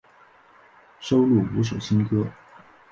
收录五首新歌。